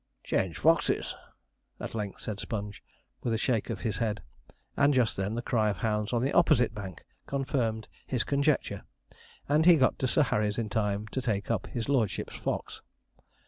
'Changed foxes,' at length said Sponge, with a shake of his head; and just then the cry of hounds on the opposite bank confirmed his conjecture, and he got to Sir Harry's in time to take up his lordship's fox.